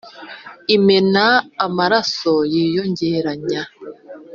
imena amaraso yiyongeranya